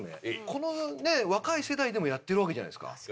このね若い世代でもやってるわけじゃないですか。